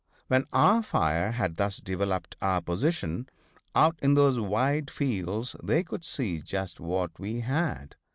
When our fire had thus developed our position, out in those wide fields they could see just what we had.